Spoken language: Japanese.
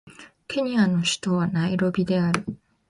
ケニアの首都はナイロビである